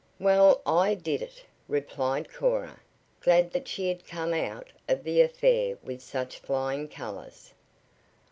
"Well, I did it," replied Cora, glad that she had come out of the affair with such flying colors.